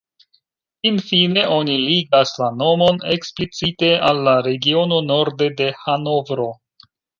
Finfine oni ligas la nomon eksplicite al la regiono norde de Hanovro.